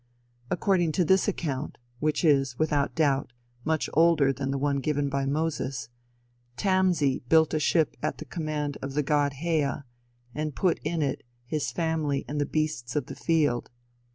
According to this account, which is, without doubt, much older than the one given by Moses, Tamzi built a ship at the command of the god Hea, and put in it his family and the beasts of the field.